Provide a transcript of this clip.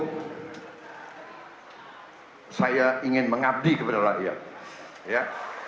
hai saya ingin mengabdi kepada rakyat ya